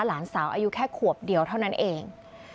หลานสาวอายุแค่ขวบเดียวเท่านั้นเอง